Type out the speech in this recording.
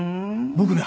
僕ね